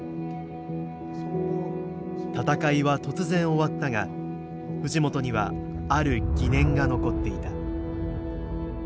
闘いは突然終わったが藤本にはある疑念が残っていた。